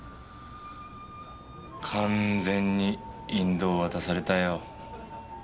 完全に引導渡されたよ。